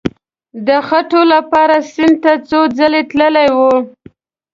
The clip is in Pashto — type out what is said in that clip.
د خټو لپاره سیند ته څو ځله تللی وو.